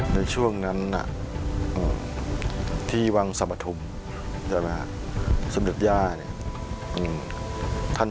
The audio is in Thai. ในช่วงนั้นที่วังสรรพธุมสำเร็จย่าย